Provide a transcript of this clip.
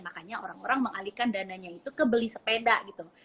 makanya orang orang mengalihkan dananya itu ke beli sepeda gitu